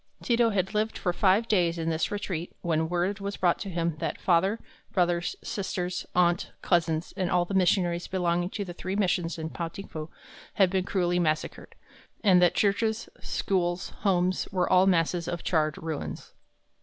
Ti to had lived for five days in this retreat when word was brought to him that father, brothers, sisters, aunt, cousins, and all the missionaries belonging to the three missions in Pao ting fu, had been cruelly massacred, and that churches, schools, homes, were all masses of charred ruins.